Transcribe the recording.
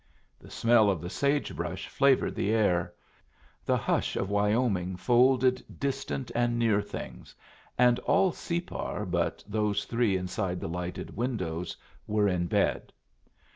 The smell of the sage brush flavored the air; the hush of Wyoming folded distant and near things, and all Separ but those three inside the lighted window were in bed.